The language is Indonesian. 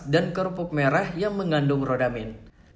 dan kerupuk merah yang mengandung rodamin